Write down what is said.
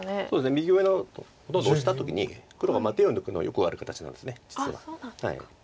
右上のどんどんオシた時に黒が手を抜くのはよくある形なんです実は。